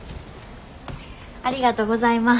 ありがとうございます。